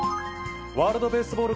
ワールドベースボール